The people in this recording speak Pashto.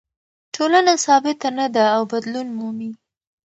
ټولنه ثابته نه ده او بدلون مومي.